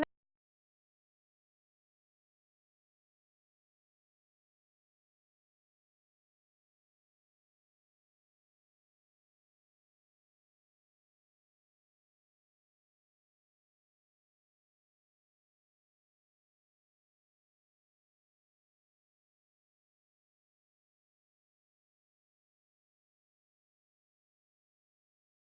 โปรดติดตามตอนต่อไป